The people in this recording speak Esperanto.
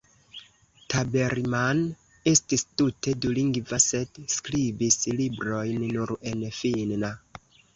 Tabermann estis tute dulingva sed skribis librojn nur en finna.